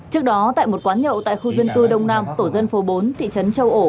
trước đó tại một quán nhậu tại khu dân cư đông nam tổ dân phố bốn thị trấn châu ổ